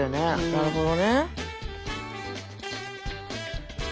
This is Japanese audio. なるほど。